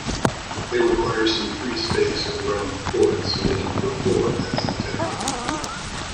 They require some free space around the port so they can perform as intended.